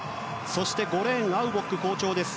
そして５レーンアウボック、好調です。